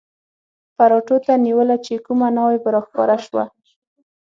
پراټو ته نیوله چې کومه ناوې به را ښکاره شوه.